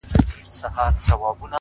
هره لاسته راوړنه هڅه غواړي